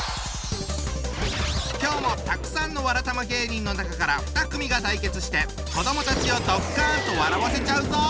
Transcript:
今日もたくさんのわらたま芸人の中から２組が対決して子どもたちをドッカンと笑わせちゃうぞ！